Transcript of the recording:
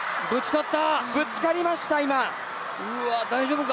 ぶつかりました。